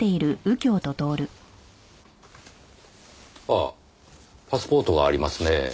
ああパスポートがありますね。